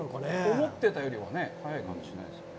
思ってたよりは速い感じがしないですね。